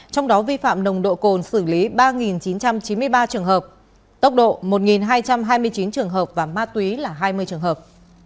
trong đó vi phạm nồng độ cồn xử lý ba chín trăm chín mươi ba trường hợp tốc độ một hai trăm hai mươi chín trường hợp và ma túy là hai mươi trường hợp